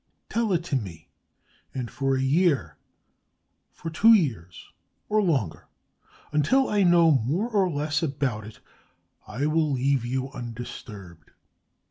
Tell it to me; and for a year, for two years or longer, until I know more or less about it, I will leave you undisturbed.